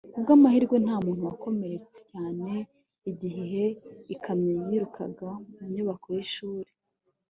ku bw'amahirwe nta muntu wakomeretse cyane igihe ikamyo yirukaga mu nyubako y'ishuri